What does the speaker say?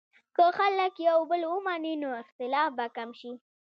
که خلک یو بل ومني، نو اختلاف به کم شي.